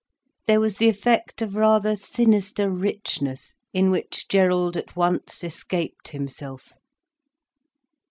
There was the effect of rather sinister richness, in which Gerald at once escaped himself.